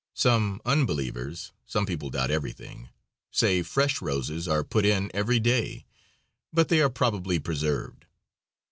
Some unbelievers (some people doubt everything) say fresh roses are put in every day, but they are probably preserved.